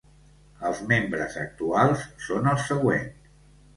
Els membres actuals són els següents.